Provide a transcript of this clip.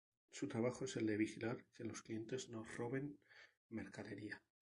Su trabajo es el de vigilar que los clientes no roben mercadería.